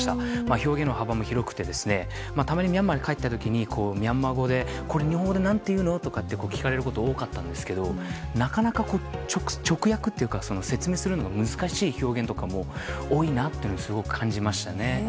表現の幅も広くてたまにミャンマーに帰った時ミャンマー語でこれ日本語でなんて言うの？と聞かれることが多かったんですがなかなか直訳というか説明するのが難しい表現も多いなとすごく感じましたね。